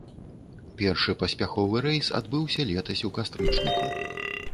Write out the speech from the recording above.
Першы паспяховы рэйс адбыўся летась у кастрычніку.